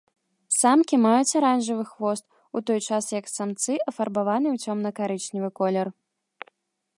Самкі маюць аранжавы хвост, у той час як самцы афарбаваны ў цёмна-карычневы колер.